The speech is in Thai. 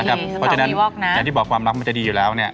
เพราะฉะนั้นอย่างที่บอกความรักมันจะดีอยู่แล้ว